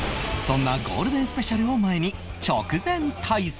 そんなゴールデンスペシャルを前に直前対策